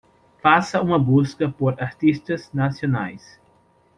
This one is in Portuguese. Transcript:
Faça uma busca por artistas nacionais.